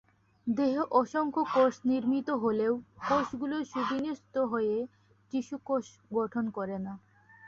দেহ অসংখ্য কোষ নির্মিত হলেও কোষগুলো সুবিন্যস্ত হয়ে টিস্যু গঠন করে না।